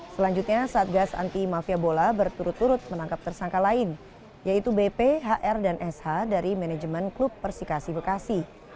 selanjutnya satgas anti mafia bola berturut turut menangkap tersangka lain yaitu bp hr dan sh dari manajemen klub persikasi bekasi